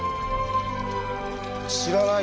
知らない。